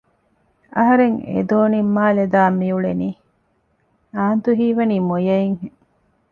އަހަރެން އެދޯނިން މާލެ ދާން މިއުޅެނީ؟ އާންތު ހީވަނީ މޮޔައެއް ހެން